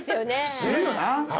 するよな。